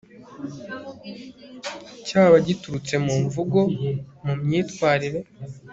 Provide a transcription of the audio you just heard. cyaba giturutse mu mvugo mu myitwarire